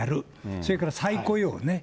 それから再雇用ね。